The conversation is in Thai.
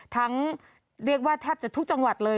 เรียกว่าแทบจะทุกจังหวัดเลย